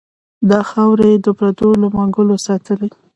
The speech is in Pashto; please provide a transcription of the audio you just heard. دا خاوره یې د پردو له منګلو ساتلې.